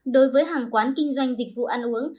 đối với hàng quán kinh doanh dịch vụ ăn uống